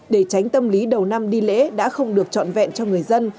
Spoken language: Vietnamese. để tránh tâm lý đầu năm đi lễ đã không được trọn vẹn cho người dân